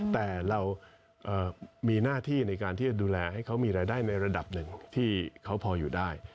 แต่เรามีหน้าที่ในการที่จะดูแลให้เขามีรายได้ในระดับหนึ่งที่เขาพออยู่ได้